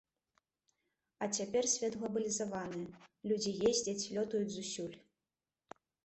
А цяпер свет глабалізаваны, людзі ездзяць, лётаюць зусюль.